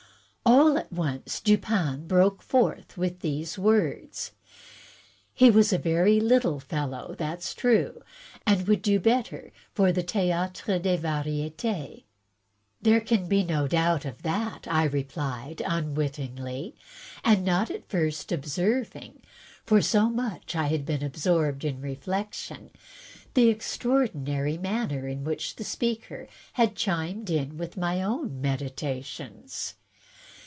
All at once Dupin broke forth with these words. "He is a very little fellow, that's true, and would do better for the Theatre des Variites.'* "There can be no doubt of that," I replied im wittingly, and not at first observing (so much had I been absorbed in reflecticm) the extraordinary manner in which the speaker had chimed in with my THE RATIONALE OF RATIOCINATION 1 27 meditations.